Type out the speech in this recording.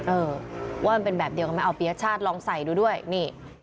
เออว่ามันเป็นแบบเดียวกันไหมเอาปียชาติลองใส่ดูด้วยนี่